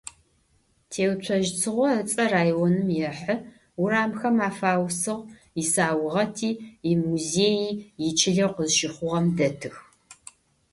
Теуцожь Цыгъо ыцӀэ районым ехьы, урамхэм афаусыгъ, исаугъэти, имузеий ичылэу къызщыхъугъэм дэтых.